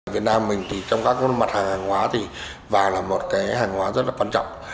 việt nam mình thì trong các mặt hàng hóa thì vàng là một cái hàng hóa rất là quan trọng